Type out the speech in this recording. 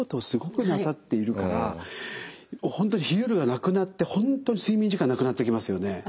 すごくなさっているから本当に昼夜がなくなって本当に睡眠時間なくなってきますよね。